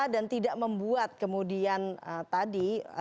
dan tidak membuat kemudian tadi